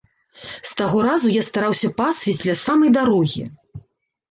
З таго разу я стараўся пасвіць ля самай дарогі.